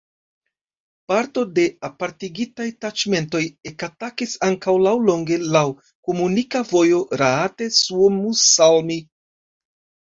Parto de apartigitaj taĉmentoj ekatakis ankaŭ laŭlonge laŭ komunika vojo Raate–Suomussalmi.